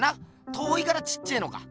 遠いからちっちぇのか。